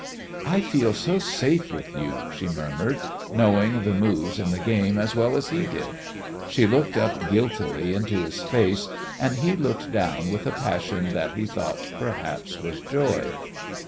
"I feel so safe with you," she murmured, knowing the moves in the game as well as he did. She looked up guiltily into his face, and he looked down with a passion that he thought perhaps was joy.